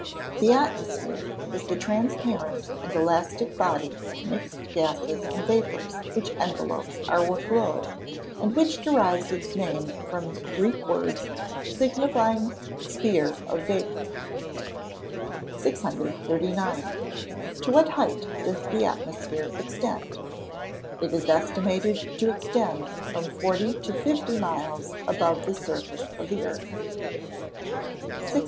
_ The atmosphere is the transparent and elastic body of mixed gases and vapours which envelopes our globe, and which derives its name from Greek words, signifying sphere of vapour. 639. To what height does the atmosphere extend? It is estimated to extend to from forty to fifty miles above the surface of the earth. 640.